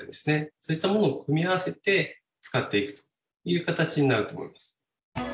そういったものを組み合わせて使っていくという形になると思います